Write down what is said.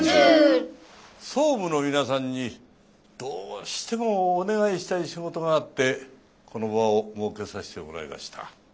総務の皆さんにどうしてもお願いしたい仕事があってこの場を設けさせてもらいました。